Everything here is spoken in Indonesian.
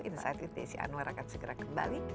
insight with desi anwar akan segera kembali